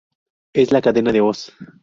Es la cadena de Oz.